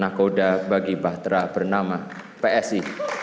nakoda bagi bahtera bernama psi